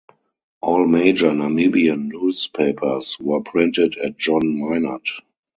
All major Namibian newspapers were printed at John Meinert.